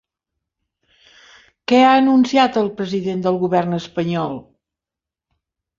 Què ha anunciat el president del govern espanyol?